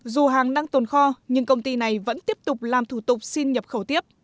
dù hàng đang tồn kho nhưng công ty này vẫn tiếp tục làm thủ tục xin nhập khẩu tiếp